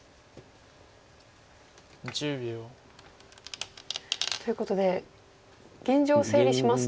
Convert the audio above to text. １０秒。ということで現状を整理しますと。